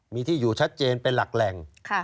มีที่อยู่ชัดเจนเป็นหลักแหล่ง